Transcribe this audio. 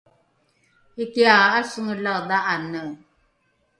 ikia ’asengelae dha’ane